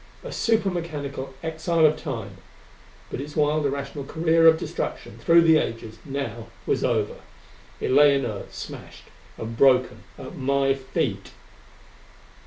A super mechanical exile of Time! But its wild, irrational career of destruction through the ages now was over. It lay inert, smashed and broken at my feet....